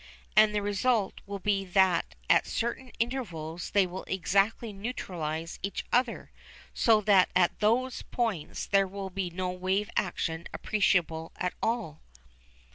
And the result will be that at certain intervals they will exactly neutralise each other, so that at those points there will be no wave action appreciable at all.